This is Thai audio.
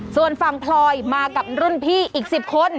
ส่วนฝั่งพลอยมากับรุ่นพี่อีก๑๐คน